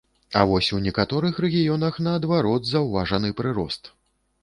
А вось у некаторых рэгіёнах, наадварот, заўважаны прырост.